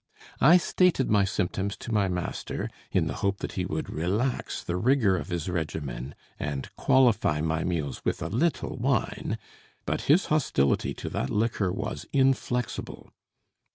I stated my symptoms to my master, in the hope that he would relax the rigor of his regimen and qualify my meals with a little wine; but his hostility to that liquor was inflexible.